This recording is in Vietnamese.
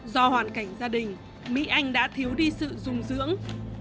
do hoàn cảnh gia đình mỹ anh đã thiếu đi sự dung dưỡng